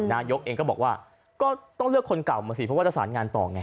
นายกเองก็บอกว่าก็ต้องเลือกคนเก่ามาสิเพราะว่าจะสารงานต่อไง